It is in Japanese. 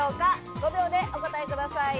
５秒でお答えください。